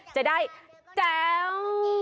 จะได้แจ๋ว